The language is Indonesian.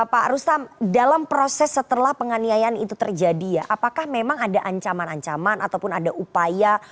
pak rustam dalam proses setelah penganiayaan itu terjadi ya apakah memang ada ancaman ancaman ataupun ada upaya